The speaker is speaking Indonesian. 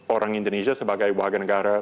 orang indonesia sebagai warga negara